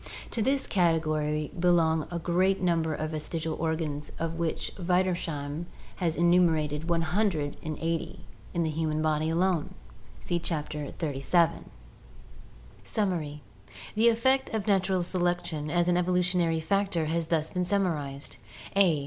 To this category belong the great number of vestigial organs of which Wiedersheim has enumerated 180 in the human body alone! (See Chapter XXXVII.) Summary. — The effect of natural selection as an evolutionary factor has thus been summarized: a.